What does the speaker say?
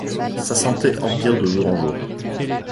Sa santé empire de jour en jour.